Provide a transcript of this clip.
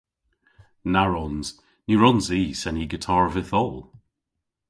Na wrons. Ny wrons i seni gitar vyth oll.